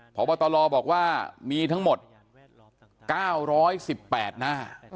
พตลอบบอกว่ามีทั้งหมด๙๑๘นะ